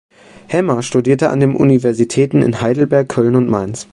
Hemmer studierte an den Universitäten in Heidelberg, Köln und Mainz.